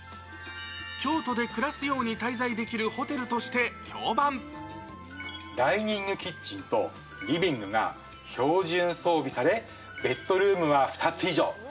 京都で暮らすように滞在できるホダイニングキッチンとリビングが標準装備され、ベッドルームが２つ以上。